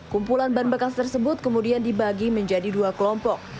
kumpulan ban bekas tersebut kemudian dibagi menjadi dua kelompok